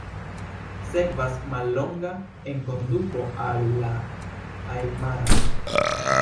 Sekvas mallonga enkonduko al la ajmara.